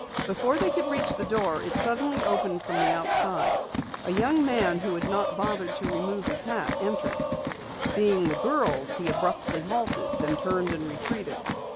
Before they could reach the door, it suddenly opened from the outside. A young man who had not bothered to remove his hat, entered. Seeing the girls, he abruptly halted, then turned and retreated.